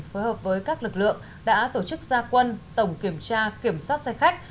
phối hợp với các lực lượng đã tổ chức gia quân tổng kiểm tra kiểm soát xe khách